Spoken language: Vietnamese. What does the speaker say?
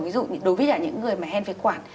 ví dụ đối với cả những người mà hen phế quản